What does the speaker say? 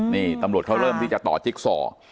นี่ตำรวจเขาเริ่มที่จะต่อจิ๊กซอ